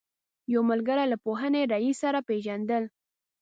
یو ملګري له پوهنې رئیس سره پېژندل.